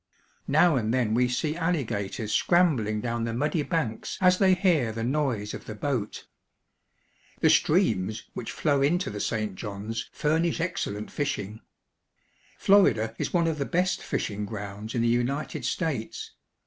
Now and then we see alligators scrambHng down the muddy banks as they hear the noise of the boat. The streams which flow into the St. Johns furnish ex cellent fishing. Florida is one of the best fishing grounds in the United States.